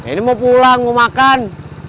ini mau pulang mau makan